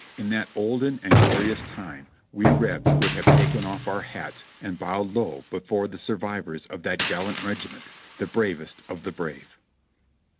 In that olden and glorious time we Rebs would have taken off our hats and bowed low before the survivors of that gallant regiment, the bravest of the brave.